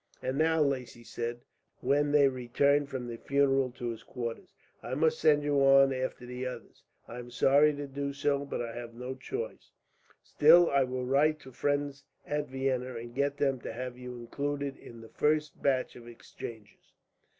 "And now," Lacy said, when they returned from the funeral to his quarters, "I must send you on after the others. I am sorry to do so, but I have no choice. Still, I will write to friends at Vienna, and get them to have you included in the first batch of exchanges."